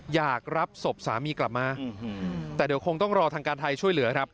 อยากรับศพสามีกลับมาแต่เดี๋ยวคงต้องรอทางการไทยช่วยเหลือครับ